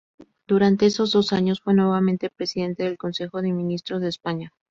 Durante esos dos años fue nuevamente presidente del Consejo de Ministros de España.